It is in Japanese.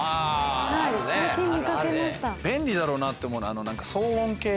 便利だろうなって思うのあの何か。